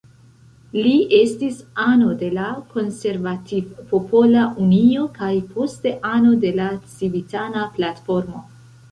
Li estis ano de la Konservativ-Popola Unio, kaj poste ano de la Civitana Platformo.